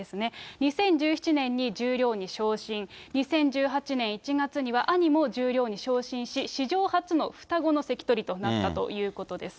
２０１７年に十両に昇進、２０１８年１月には兄も十両に昇進し、史上初の双子の関取となったということです。